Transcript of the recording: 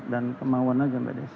dan kemauan aja mbak desy